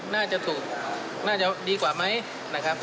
น่าจะถูกน่าจะดีกว่าไหม